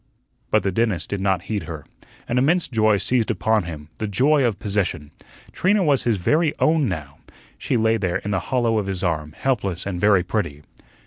But the dentist did not heed her. An immense joy seized upon him the joy of possession. Trina was his very own now. She lay there in the hollow of his arm, helpless and very pretty.